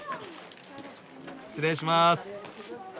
失礼します。